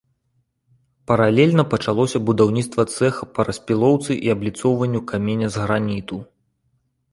Паралельна пачалося будаўніцтва цэха па распілоўцы і абліцоўванню каменя з граніту.